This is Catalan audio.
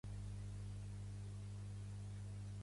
Sens dubte he perdut la pràctica d'escriure, també.